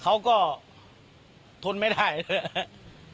เขาก็ทนไม่ได้เลย